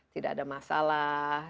tidak ada masalah